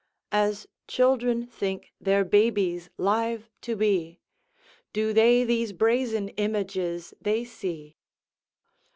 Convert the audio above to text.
As children think their babies live to be, Do they these brazen images they see.